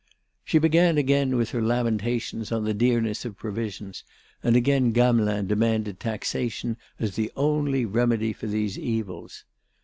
She began again with her lamentations on the dearness of provisions, and again Gamelin demanded taxation as the only remedy for these evils.